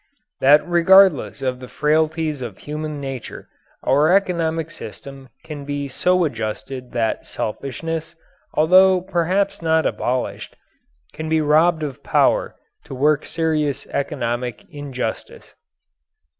That regardless of the frailties of human nature, our economic system can be so adjusted that selfishness, although perhaps not abolished, can be robbed of power to work serious economic injustice.